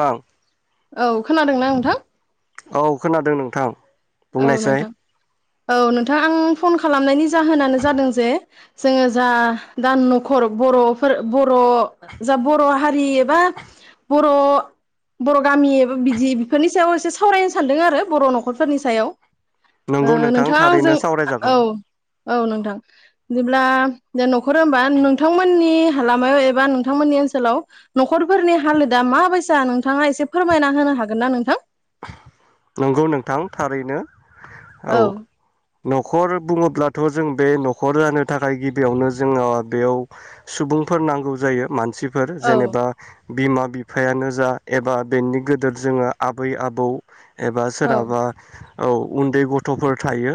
औ औ खोनादोंना नोंथां औ खोनादों नोंथां औ बुंंनायसाय नोंथां औ नोंथां आं फन खालामनायनि जाहोनानो जादों जे जोङो जा दा न'खर बर'फोर बर' जा बर' हारि एबा बर' बर' गामि एबा बिदि बेफोरनि सायाव एसे सावरायनो सानदों आरो बर' न'खरफोरनि साय सायाव नंगौ ओ नोंथां नोंथाङा थारैनो जों औ सावरायजागोन औ नोंथां बिदिब्ला दा न'खर होमबा नोंथांमोननि हालामयाव एबा नोंथांमोननि ओनसोलाव न'खरफोरनि हालोदा माबायसा नोंथाङा एसे-एसे फोरमायना होनो हागोन ना नोंथां नंगौ नोंथां थारैनो औ न'खर बुङोब्लाथ' जों बे न'खर जानो थाखाय गिबियावनो जोंङो बेयाव सुबुंफोर नांगौ जायो। मानसिफोर औ जेनेबा बिमा बिफायानो जा एबा बेनि गदोर जोङो आब बै, आबौ एबा औ सोरहाबा औ उन्दै गथफोर थायो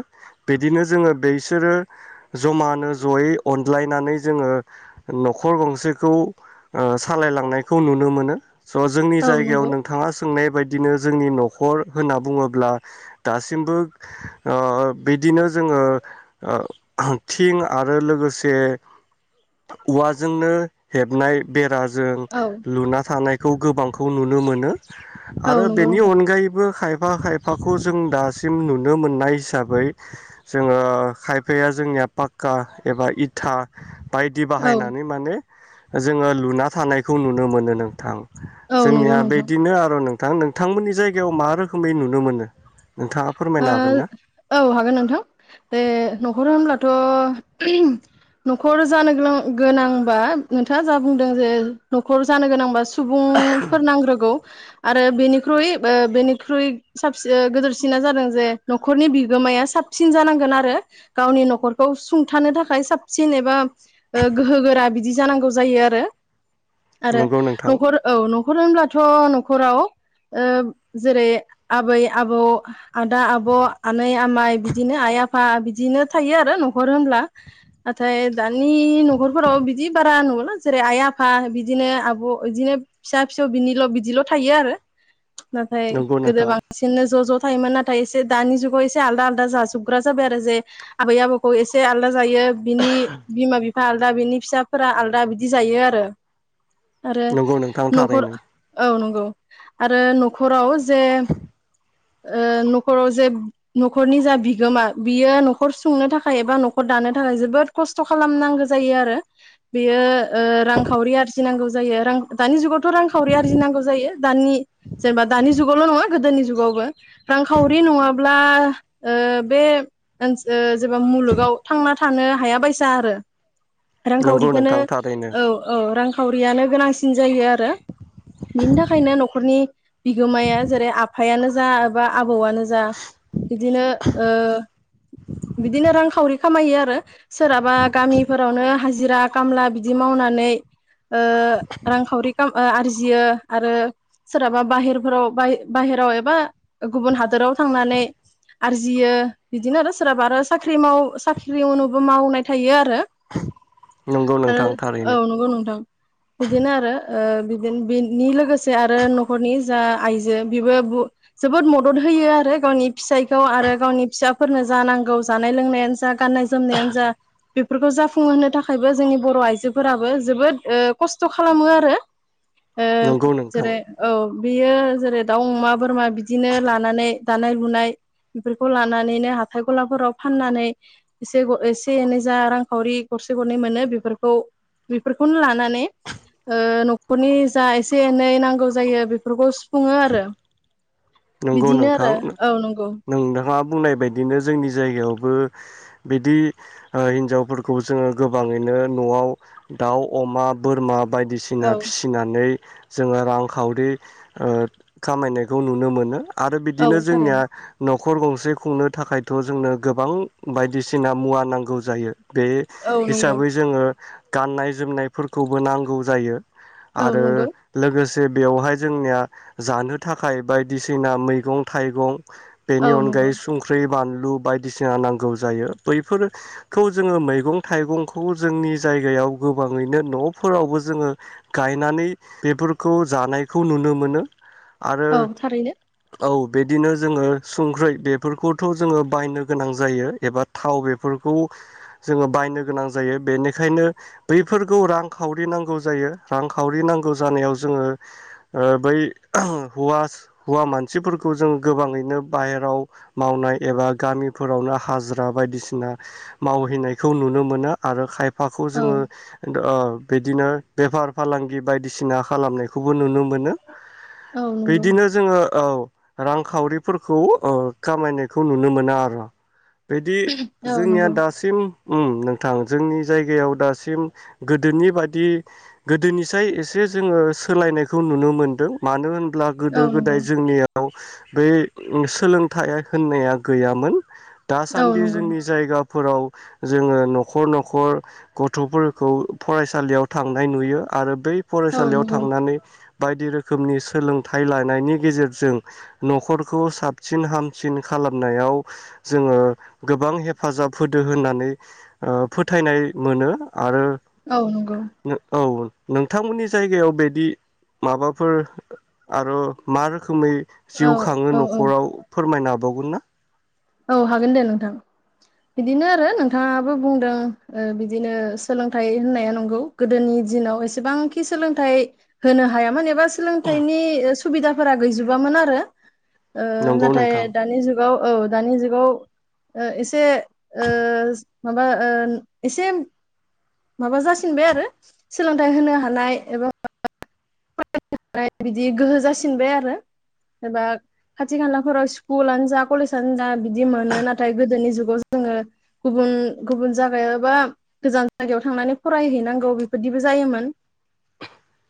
बिदिनो जोङो बेसोरो जमानो जयै अनज्लायनानै जोङो नखर गंसेखौ ओ सालायलांनायखौ नुनो मोनो। स जोंनि औ जायगायाव नंगौ नोंथाङा सोंनाय बायदि बिदिनो जोंनि नखर होनना बुङोब्ला दासिमबो ओ बिदिनो जोङो ओ थिं आरो लोगोसे औवाजोंनो हेबनाय बेरा जों औ लुना थानाय खौ गोबांखौ नुनो मोनो औ आरो नंगौ बेनि नोंथां अनगायैबो खायफ खायफा खायफाखौ जों दासिम नुनो मोननाय हिसाबै जोङो खायफाया जोंनिया पाक्का एबा इथा। बायदि औ बाहायनानै माने जोङो लुना थानायखौ नुनो मोनो नोंथां। औ नंगौ जोंनिया नोंथां बिदिनो आरो नों थां नोंथांमोननि जायगायाव मा रोखोमै नुनो मोनो। नोंथाङा ओ फोरमायनो हागोन ना औ हागोन नोंथां बे नखर होनब्लाथ नखर जानो गोनां-गोनांबा नोंथाङा जा बुंदों जे नखर जानो गोनांबा सुबुंफोर नांग्रोगौ। आरो बेनिख्रुइ ओ बेनिख्रुइ साबसिन ओ गोदोरसिन। सिना जादों जे नखरनि बिगोमाया साबसिन जानांगोन आरो गावनि नखरखौ सुंथानो थाखाय साबसिन एबा ओ गोहो गोरा बि दि जानांगौ जायो आरो। आरो नंगौ नोंथां नखर औ नखर होनब्लाथ नखराव ओ जेरै आबै आबौ [unintelligible] आदा आब आनै आमाइ बिदिनो आइ आफा आफा बिदिनो थायो आरो नखर होनब्ला नाथाय दानि नख'रफोराव बिदि बारा नुला जेरै आइ आफा बिदिनो आब इदिनो फिसा फिसौ बिनिल बिदिल थायो आरो। नाथाय नंगौ गोदो नोंथां बांसिननो ज ज। थायोमोन नाथाय एसे दानि जुगाव एसे आलादा आलादा जाजोबग्रा जाबाय आरो जे आबै आबौखौ एसे जायो बिनि बिमा आलदा बिनि फिसाफोरा आलदा बिदि जायो आरो। आरो नंगौ नोंथां नखर थारैनो औ न आरो नखराव जे ओ न'खराव जे न'खरनि जा बिगोमा बियो न'खर सुंनो थाखाय एबा न'खर दानो थाखाय जोबोद खस्थ' खालामनांगौ जायो आरो बेयो ओ रांखावरि आरजिनांगौ जायो रां दानि जुगावथ' रांखावरि आरजिनांगौ जायो दानि जेनेबा दानि जुगावल' नङा। गोदोनि जुगावबो। रांखावरि नङाब्ला ब्ला ओ बे ओनसोल जेब्ला मुलुगाव थांना थानो हायाबायसा आरो। नंगौ रांखावरिखौनो नोंथां थारैनो औ औ रां खावरियानो गोनांसिन जायो आरो। बिनि थाखायनो न'खरनि बिगोमाया जेरै आफायानो। जा एबा आबौआनो जा बिदिनो बिदिनो रांखावरि खामायो आरो सोरहाबा गामिफोरावनो हाजिरा खामला बिदि मावनानै रांखावरिकाम आरजि आरजियो आरो सोरहाबा बाहेरफोराव बाहेराव एबा गुबुन हादोराव थांनानै आरजियो बिदिनो आरो सोरहाबा आरो साख्रि माव साख्रि मावनोबो मावनाय थायो आरो। नंगौ नोंथां आरो थारैनो नंगौ नोंथां बिदिनो आरो। बिनि लोगोसे आरो न'खरनि जा आइजो बेबो जोबोद मदद होयो आरो गावनि फिसायखौ आरो गावनि फिसा। फोरनो जानांगौ जानाय लोंनायानो गाननाय जोमनाय जा बेफोरखौ जाफुंहोनो थाखायबो जोंनि बर' आइजोफोराबो जोबोद खस्थ' खालामो आरो। ओ नंगौ नोंथां जेरै ओ बेयो जेरै दाउ अमा बोरमा बिदिनो लानानै दानाय लुनाय बेफोरखौ लानानैनो हाथाय गलाफोराव फाननानै एसे एसे एनै जा रांखावरि गरसे गरनै मोनो बेफोरखौ बेफोरखौनो लानानै न'खरनि जा एसे एनै नांगौ जायो बेफोरखौ सुफुङो आरो। नंगौ बिदिनो नोंथां आरो औ नंगौ। नोंथाङा बुंनाय बायदिनो जोंनि जायगायावबो बिदि हिनजावफोरखौ जोङो गोबाङैनो न'आव दाउ अमा बोरमा औ बायदिसिना फिसिनानै जोङो रांखावरि खामायनायखौ नुनो मोनो। नो आरो औ बिदिनो जोंनिया थारैनो नखर न'खर गंसे खुंनो थाखायथ' जोंनो गोबां बायदिसिना मुवा नांगौ जायो। बे औ नंगौ हिसाबै जोङो गाननाय जोमनायफोरखौबो नांगौ जायो। औ आरो नंगौ लोगोसे। जे बेवहाय जोंनिया जानो थाखाय बाय दिसिना मैगं थाइगं बेनि औ नंगौ अनगायै संख्रि बानलु लु बायदिसिना नांगौ जायो बैफोरखौ जोङो मैगं थाइगंखौ जोंनि जायगायाव गोबाङैनो न'फोरावबो जोङो गायनानै बेफोरखौ जानायखौ नुनो मोनो। आरो औ थारैनो। औ बिदिनो जोङो संख्रै बेफोरखौथ' जोङो बायनो गोनां जायो एबा थाव बेफोरखौ जोङो बायनो गोनां जायो बेनिखायनो बैफोरखौ रांखावरि नांगौ जायो रांखावरि नांगौ जानायाव जोङो ओ बै हौवा हौवा मानसिफोरखौ जों गोबाङैनो बाहेराव मावनाय एबा गामिफोरावनो हाजिरा बायदिसिना मावहैनायखौ नुनो मोनो आरो खायफा फाखौ औ जोङो ओ बिदिनो बेफार फालांगि बायदिसिना खालामनायखौबो नुनो मोनो। मोनो औ नंगौ बिदिनो। औ रांखावरिफोरखौ खामायनायखौ नुनो मोना आरो बिदि औ जोंनिया नंगौ दासिम नोंथां जोंनि जायगायाव दासिम गोदोनि बादि गोदोनिसाय एसे जोङो सोलायनायखौ नुनो मोनदों मानो होनब्ला औ गोदो गोदाय नंगौ जोंनियाव बे सोलोंथाइ होननाया गैयामोन औ दासान्दि नंगौ जोंनि जायगा फोराव जोङो न'खर न'खर गथ'फोरखौ फरायसालियाव थांनाय नुयो आरो बै औ फरायसालियाव नंगौ थांनानै बायदि रोखोमनि सोलोंथाइ थाइ लानायनि गेजेरजों न'खरखौ साबसिन हामसिन खालामनायाव जोङो गोबां हेफाजाब होदो होननानै ओ फोथायनाय मोनो आरो औ नंगौ औ नोंथांमोननि जायगायाव बिदि माबाफोर आरो मार रोखोमै जिउ औ खाङो औ औ न'खराव फोरमायना बावगोनना औ हागोन दे नोंथां बिदिनो आरो नोंथाङाबो बुंदों ओ बिदिनो सोलोंथाइ होननाया नंगौ गोदोनि दिनाव एसेबांखि सोलोंथाइ होनो हायामोन एबा सोलोंथाइनि सुबिदाफोरा गैजोबामोन आरो ओ नंगौ नाथाय नोंथां दानि जुग औ-औ दानि जुगाव ओ एसे ओ माबा ओ एसे माबा जासिनबाय आरो सोलोंथाइ होनो हानाय एबा [inaudible] फरायनाय बिदि गोहो जासिनबाय आरो एबा खाथि खालाफोराव स्कुलानो जा कलेजनो जा बिदि मोनो नाथाय गोदोनि जुगाव जोङो गुबुन गुबुन जागायाव बा गोजान जायगायाव थांनानै फरायहैनांगौ बेफोरदिबो जायोमोन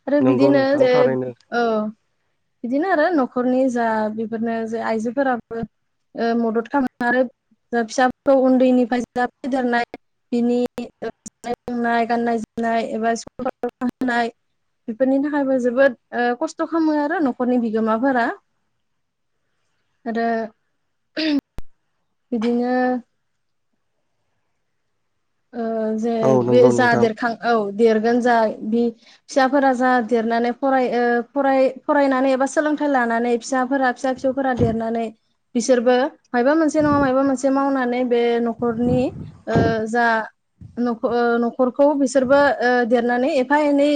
आरो बि नंगौ बिदिनो नोंथां जे थारैनो औ बिदिनो आरो न'खरनि जा बेफोरनो जे आइजोफोराबो ओ मदद खालामो आरो फिसाफोरखौ उन्दैनिफ्राय जा फेदेरनाय बिनि जानाय गाननाय जोमनाय एबा स्कुल थांहोनाय बेफोरनि थाखायबो जोबोद खस्थ' खालामो आरो न'खरनि बिगोमाफोरा आरो बिदिनो ओ जे औ बे नंगौ नोंथां जादेरखां औ देरगोन जा बि फिसाफोरा जा देरनानै फराय ओ फराय-फरायनानै एबा सोलोंथाइ लानानै फिसाफोरा फिसा फिसौफोरा देरनानै बिसोरबो माबा मोनसे नङा माबा मोनसे मावनानै बे न'खरनि जा न'-न'खरखौ ओ बिसोरबो ओ देरनानै एफा एनै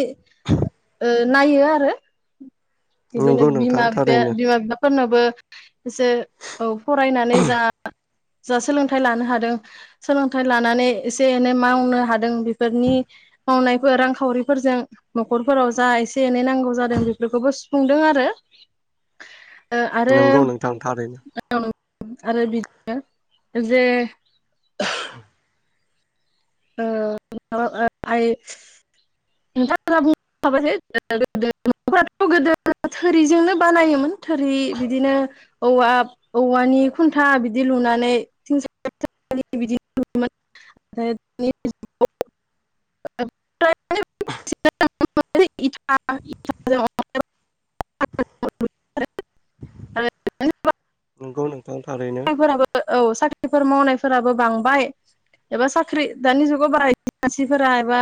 ओ नायो आरो बिदिनो नंगौ नोंथां थारैनो बिमा-बिफाया फोरनोबो एसे औ फरायनानै जा-जा सोलोंथाइ लानो हादों सोलोंथाइ लानो लानानै एसे-एनै मावनो हादों बेफोरनि मावनायफोर रांखावरिफोरजों न'खफोराव जा एसे एनै नांगौ जादों बेफोरखौबो स फुंदों आरो। ओ आरो नंगौ नोंथां थारैनो [unintelligible] आरो बिदनो जे ओ ओ [unintelligible] गोदो थोरिजोंनो बानायोमोन थोरि बिदिनो औवा-औवानि खुन्था बिदि लुनानै [unintelligible] [unintelligible] नोंगौ नोंथां थारैनो। ओ औ साख्रिफोर मावनायफोराबो बांबाय एबा साख ख्रि दानि जुगाव बारा [unintelligible] सिफोरा एबा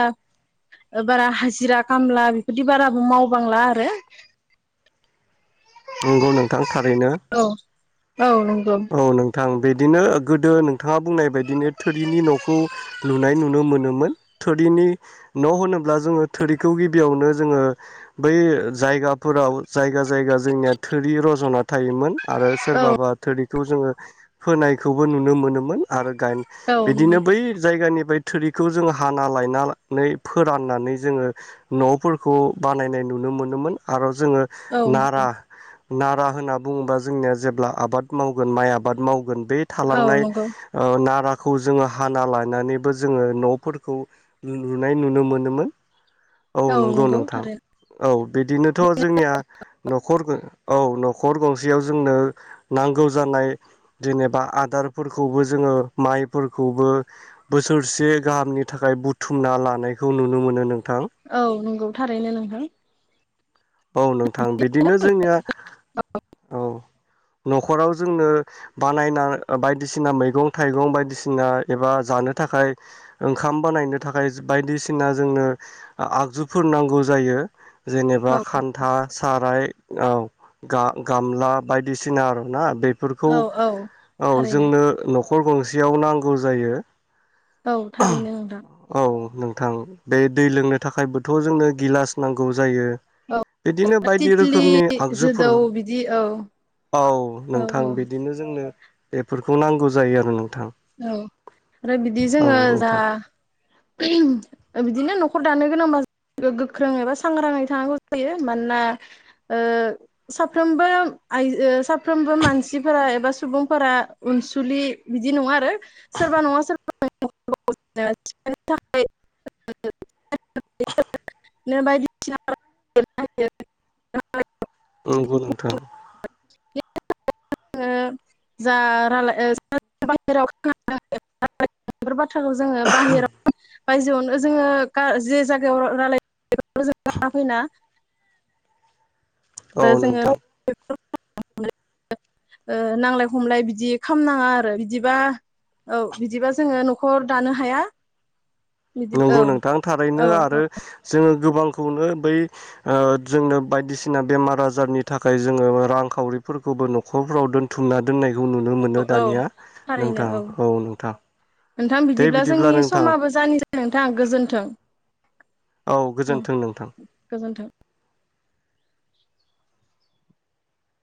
बारा हाजिरा खामला बेफोरदि बाराबो मावबांला आरो। नंगौ नोंथां थारैनो। औ औ नंगौ। थां बेदिनो गोदो नोंथाङा बुंनाय बायदिनो थोरिनि न'खौ लुनाय नुनो मोनोमोन, थोरिनि न' होनोब्ला जोङो थोरिखौ गिबियावनो जोङो बै जायगाफोराव जायगा जायगा जोंनिया थोरि रजना थायोमोन आरो औ सोरबाबा बेखौ जोङो फोनायखौबो नुनो मोनोमोन आरो औ [unintelligible] बिदिनो नंगौ बै जायगानिफाय थोरिखौ जोङो हाना लायनानै फोराननानै जोङो न'फोरखौ बानायनाय नुनो मोनोमोन आर जोङो औ नारा नारा होनना बुङोब्ला जोंनिया जेब्ला आबाद मावगोन माइ आबाद मावगोन बे थालांनाय नंगौ ओ नारा खौ जोङो हाना लानानैबो जोङो न'फोरखौ लुनाय नुनो मोनोमोन। औ नंगौ नोंथां औ। बिदिनोथ' जोंनिया न'खर औ न'खर गंसेयाव जोंनो नांगौ जानाय जेनेबा आदारफोरखौबो जोङो माइफोरखौबो बोसोरसे गाहामनि थाखाय बुथुमना लानायखौ नुनो मोनो नों औ नंगौ थारैनो नोंथा। औ नोंथां। बिदिनो जोंनिया औ न'खराव जोंनो बानायना बायदिसिना मैगं थाइगं बायदिसिना एबा जानो थाखाय ओंखाम बानायनो थाखाय बायदिसिना जोंनो आगजुफोर नांगौ जायो। जे [inaudible] औ खान्था साराय औ। गा-गामला बायदिसिना आर ना बे फोरखौ औ औ औ थारैनो जोंनो न'ख खर गंसेयाव नांगौ जायो। औ थारैनो नोंथां औ नों गोथां बे दै लोंनो थाखायबोथ' जोंनो गिलास नांगौ जायो। औ बिदिनो बायदि तितलि रोखोमनि आगजुफोर जोदौ बिदि औ औ औ नोंथां बिदिनो जोंनो बेफोरखौ नांगौ जायो आरो नों औ आरो बिदि जोङो दा नोंथां बिदिनो न खर दानो गोनांबा गोख्रों एबा सांग्राङै थानांगौ जायो मानोना साफ्रोमबो ओ आइजो साफ्रोमबो मानसिफोरा एबा सुबुंफोरा अनसुलि बिदि नङा आरो सोरबा नङा सोरबा [unintelligible] नंगौ नोंथां। [unintelligible] [unintelligible] जोङो बाहेराव बायजोआवनो जोङो जे जायगायाव रायलाय जों लाना फैना औ जोङो नोंथां। [unintelligible] ओ नांलाय खमलाय बिदि खालामनाङा आरो बिदिबा औ बिदिबा जोङो न'खर दानो हाया। बिदि नंगौ औ नोंथां औ थारैनो आरो जोङो गोबांखौनो बै ओ जोंनो बायदिसिना बेमार आजारनि थाखाय जोङो रांखावरिफोरखौबो न'खरफ्राव दोनथुमना दोननाय बेखौ नुनो औ मोनो औ दानिया नोंथां औ नोंथां। नोंथां दे बिदिब्ला जोंनि नोंथां समाबो जानिसै नोंथां गोजोन्थों औ गोजोन्थों नोंथां गोजोनथों।